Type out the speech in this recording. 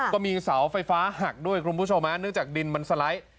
ก็มีเสาไฟฟ้าหักด้วยคุณผู้ชมฮะเนื่องจากดินมันสไลด์